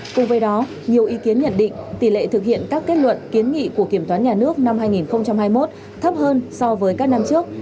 cùng với đó nhiều ý kiến nhận định tỷ lệ thực hiện các kết luận kiến nghị của kiểm toán nhà nước năm hai nghìn hai mươi một thấp hơn so với các năm trước